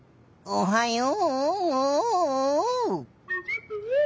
おはよう。